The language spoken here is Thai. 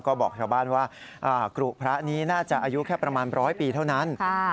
ก็บอกชาวบ้านว่ากรุพระนี้น่าจะอายุแค่ประมาณ๑๐๐ปีเท่านั้น